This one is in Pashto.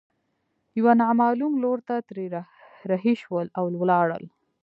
يوه نامعلوم لور ته ترې رهي شول او ولاړل.